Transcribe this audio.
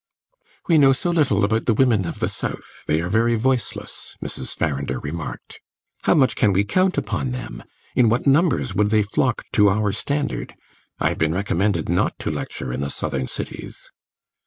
"We know so little about the women of the South; they are very voiceless," Mrs. Farrinder remarked. "How much can we count upon them? in what numbers would they flock to our standard? I have been recommended not to lecture in the Southern cities."